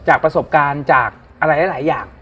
จากประสบการณ์จากอะไรหลายอย่าง